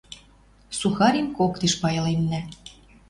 Сухарим коктеш пайыленнӓ.